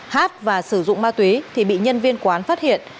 hát và sử dụng ma túy thì bị nhân viên quán phát hiện